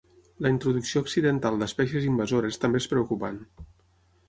La introducció accidental d'espècies invasores també és preocupant.